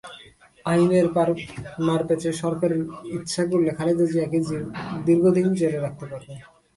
আইনের মারপ্যাঁচে সরকার ইচ্ছা করলে খালেদা জিয়াকে দীর্ঘদিন জেলে রাখতে পারবে।